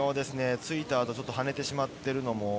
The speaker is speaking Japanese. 突いたあとちょっと跳ねてしまっているのも。